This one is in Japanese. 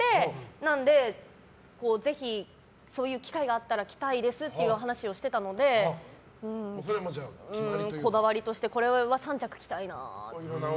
なので、ぜひそういう機会があったら着たいですという話をしていたのでこだわりとしてこれは３着、着たいなって。